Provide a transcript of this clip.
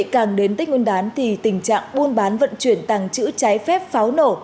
càng đến tích nguyên đán tình trạng buôn bán vận chuyển tàng chữ trái phép pháo nổ